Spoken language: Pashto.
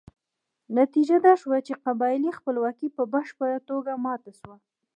نتیجه دا شوه چې قبایلي خپلواکي په بشپړه توګه ماته شوه.